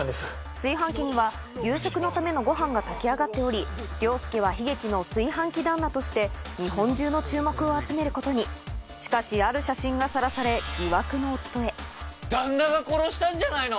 炊飯器には夕食のためのご飯が炊き上がっており凌介は悲劇の炊飯器旦那として日本中の注目を集めることにしかしある写真がさらされ旦那が殺したんじゃないの？